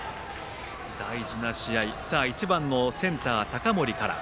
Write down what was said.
大事な試合１番のセンター、高森から。